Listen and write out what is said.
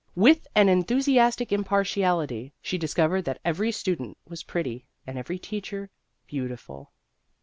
With an enthusiastic impartiality, she dis covered that every student was pretty and every teacher beautiful.